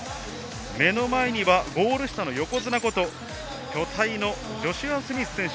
目の前にはゴール下の横綱こと巨体のジョシュア・スミス選手。